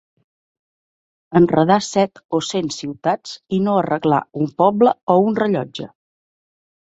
Enredar set o cent ciutats i no arreglar un poble o un rellotge.